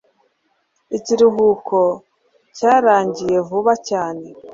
Ikiruhuko cyarangiye vuba cyane.